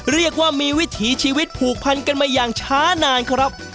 เรียกว่ามีวิถีชีวิตผูกพันกันมาอย่างช้านานครับ